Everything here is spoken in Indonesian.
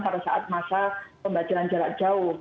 pada saat masa pembelajaran jarak jauh